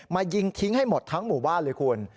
ยิงทิ้งให้หมดทั้งหมู่บ้านเลยคุณ